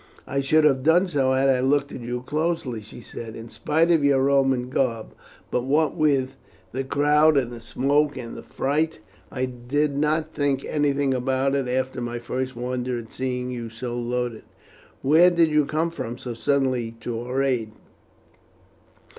"I should have done so had I looked at you closely," she said, "in spite of your Roman garb; but what with the crowd, and the smoke, and the fright, I did not think anything about it after my first wonder at seeing you so loaded. Where did you come from so suddenly to our aid?